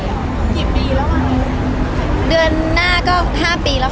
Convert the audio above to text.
กี่ปีแล้วอ่ะเดือนหน้าก็ห้าปีแล้ว